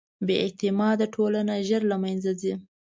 بېاعتماده ټولنه ژر له منځه ځي.